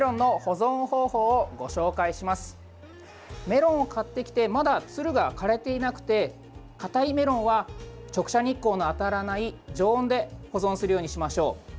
メロンを買ってきてまだ、つるが枯れていなくてかたいメロンは直射日光の当たらない常温で保存するようにしましょう。